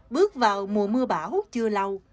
bước vào mùa mưa bão chưa lâu